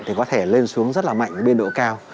thì có thể lên xuống rất là mạnh biên độ cao